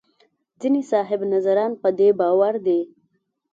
ځینې صاحب نظران په دې باور دي.